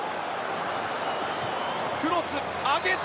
クロス、上げた。